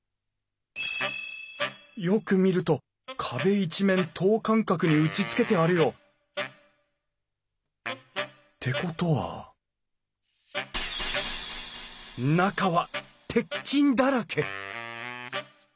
よく見ると壁一面等間隔に打ちつけてあるよ。ってことは中は鉄筋だらけ！？